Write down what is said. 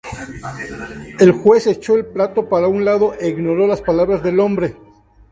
El juez echó el plato para un lado e ignoró las palabras del hombre.